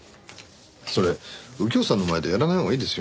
それ右京さんの前でやらないほうがいいですよ。